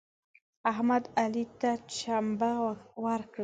احمد علي ته چمبه ورکړه.